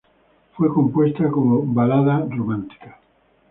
Fue compuesta como balada romántica.